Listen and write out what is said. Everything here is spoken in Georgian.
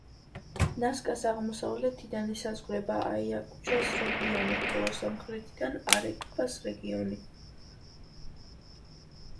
ნასკას აღმოსავლეთიდან ესაზღვრება აიაკუჩოს რეგიონი, ხოლო სამხრეთიდან არეკიპას რეგიონი.